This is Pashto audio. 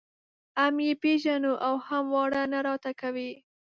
هم یې پېژنو او هم واره نه راته کوي.